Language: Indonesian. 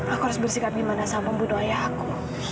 aku harus bersikap gimana sama budo ayah aku